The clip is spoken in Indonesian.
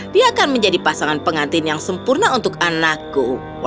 dia akan menjadi pasangan pengantin yang sempurna untuk anakku